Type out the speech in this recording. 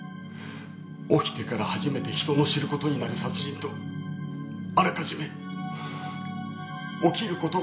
起きてから初めて人の知る事になる殺人とあらかじめ起きる事が予告された殺人だ。